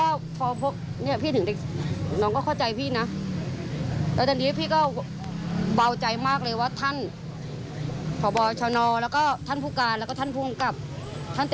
ว่าเกิดมาเล่าทั้งประทาน